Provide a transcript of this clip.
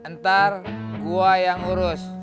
ntar gue yang urus